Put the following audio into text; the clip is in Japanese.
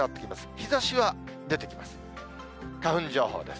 日ざしは出てきます。